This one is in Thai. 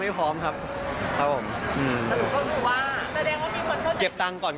ครับผมแต่ผมก็คือว่าแดดแดงว่ามีคนเข้าใจ